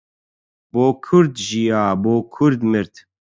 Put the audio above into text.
بۆ کورد ژیا، بۆ کورد مرد